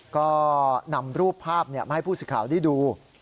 ก็นำรูปภาพมาให้ผู้สิทธิ์ข่าวได้ดู